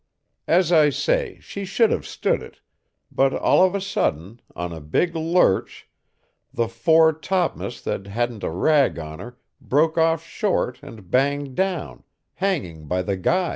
As I say, she should have stood it, but all of a sudden, on a big lurch, the fore topm'st that hadn't a rag on her broke off short and banged down, hanging by the guys.